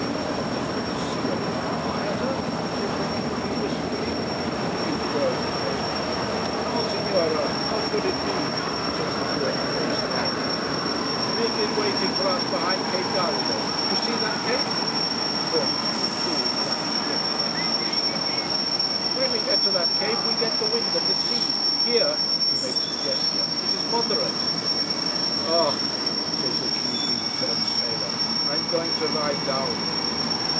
"Isn't the sea a little quieter?" says the q b wistfully. She is growing paler. "No, Signora how should it be?" says the gaunt faced carpenter. "The wind is waiting for us behind Cape Gallo. You see that cape?" he points to a tall black cliff front in the sea ahead. "When we get to that cape we get the wind and the sea. Here " he makes a gesture "it is moderate." "Ugh!" says the q b, turning paler. "I'm going to lie down."